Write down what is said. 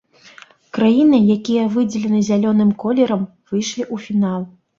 Краіны, якія выдзелены зялёным колерам, выйшлі ў фінал.